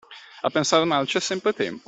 A pensar male c'è sempre tempo.